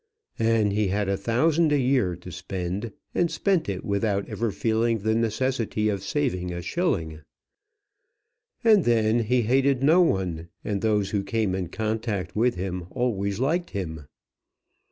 And he had a thousand a year to spend, and spent it without ever feeling the necessity of saving a shilling. And then he hated no one, and those who came in contact with him always liked him.